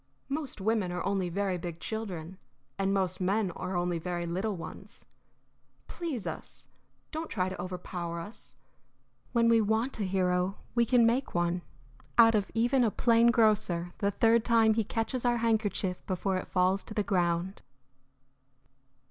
Most women are only very big children, and most men are only very little ones. Please us; don't try to overpower us. When we want a hero we can make one out of even a plain grocer the third time he catches our handkerchief before it falls to the ground."